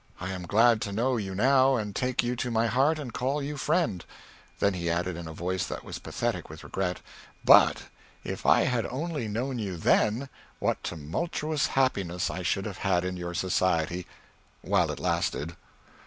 I am glad to know you now and take you to my heart and call you friend" then he added, in a voice that was pathetic with regret, "but if I had only known you then, what tumultuous happiness I should have had in your society! while it lasted."